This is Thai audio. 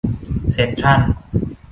เซ็นทรัล